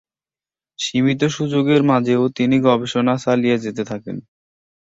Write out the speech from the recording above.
সীমিত সুযোগের মাঝেও তিনি গবেষণা চালিয়ে যেতে থাকেন।